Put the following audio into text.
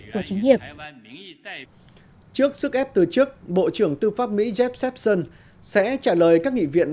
của chính hiệp trước sức ép từ chức bộ trưởng tư pháp mỹ jake sabson sẽ trả lời các nghị viện